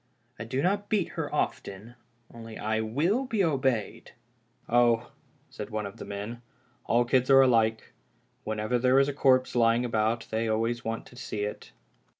I do not beat her often, only I will be obeyed." " Oh," said one of the men, " all kids are alike. When ever there is a corpse lying about they always want to see it."